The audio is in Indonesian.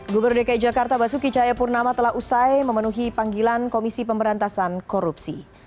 gubernur dki jakarta basuki cahayapurnama telah usai memenuhi panggilan komisi pemberantasan korupsi